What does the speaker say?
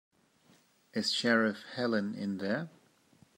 Is Sheriff Helen in there?